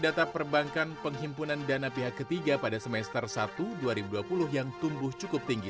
data perbankan penghimpunan dana pihak ketiga pada semester satu dua ribu dua puluh yang tumbuh cukup tinggi